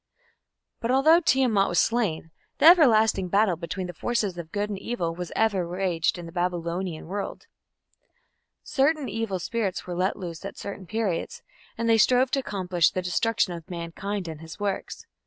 But although Tiamat was slain, the everlasting battle between the forces of good and evil was ever waged in the Babylonian world. Certain evil spirits were let loose at certain periods, and they strove to accomplish the destruction of mankind and his works.